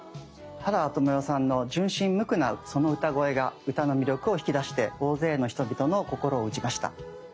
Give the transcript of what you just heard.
原田知世さんの純真無垢なその歌声が歌の魅力を引き出して大勢の人々の心を打ちました。